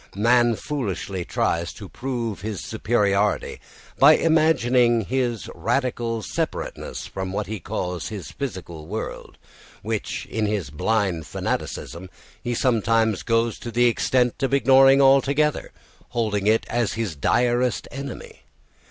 Man foolishly tries to prove his superiority by imagining his radical separateness from what he calls his physical world, which, in his blind fanaticism, he sometimes goes to the extent of ignoring altogether, holding it at his direst enemy.